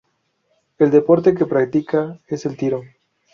El deporte que practica es el tiro.